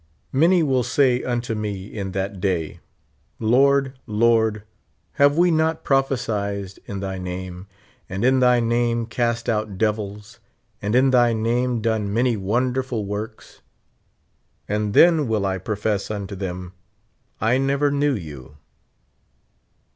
Many will say unto me in that day. Lord, Lord, have we not prophesied m thy name, and in thy name cast out devils, and in thy name done many wonderful works? And then will I profess unto them I never knew you.